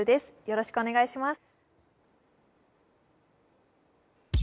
よろしくお願いします